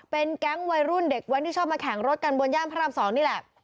เป็นแก๊งวัยรุ่นเด็กแว้นที่ชอบมาแข่งรถกันบนย่านพระราม๒นี่แหละ